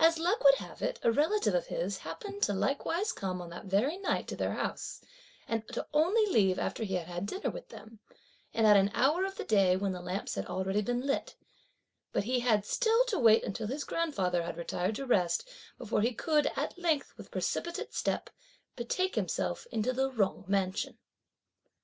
As luck would have it a relative of his happened to likewise come on that very night to their house and to only leave after he had dinner with them, and at an hour of the day when the lamps had already been lit; but he had still to wait until his grandfather had retired to rest before he could, at length with precipitate step, betake himself into the Jung mansion.